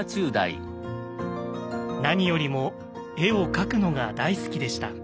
何よりも絵を描くのが大好きでした。